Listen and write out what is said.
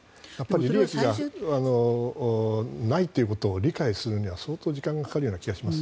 利益がないということを理解するには相当時間がかかる気がします。